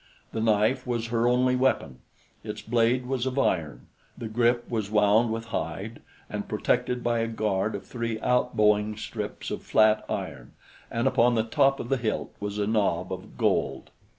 The knife was her only weapon. Its blade was of iron, the grip was wound with hide and protected by a guard of three out bowing strips of flat iron, and upon the top of the hilt was a knob of gold.